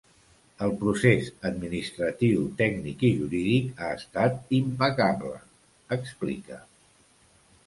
El procés administratiu tècnic i jurídic ha estat impecable, explica.